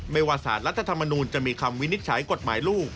ว่าสารรัฐธรรมนูลจะมีคำวินิจฉัยกฎหมายลูก